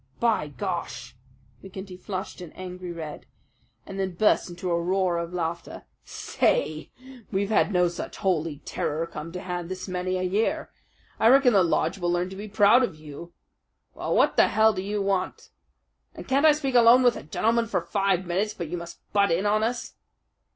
"By Gar!" McGinty flushed an angry red and then burst into a roar of laughter. "Say, we've had no such holy terror come to hand this many a year. I reckon the lodge will learn to be proud of you.... Well, what the hell do you want? And can't I speak alone with a gentleman for five minutes but you must butt in on us?"